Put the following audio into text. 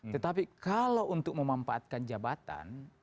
tetapi kalau untuk memanfaatkan jabatan